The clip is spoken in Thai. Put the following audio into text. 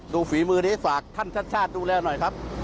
ดูฝีมือนี้สาขนท่านชชาติดูแลหน่อยครับ